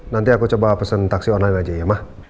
nanti aku coba pesen taksi online aja ya mah